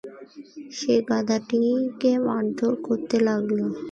সে গাধাটিকে মারধর করতে লাগল।